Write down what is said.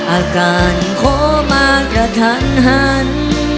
อาการโคมากระทันหัน